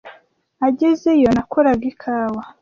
Agezeyo, nakoraga ikawa.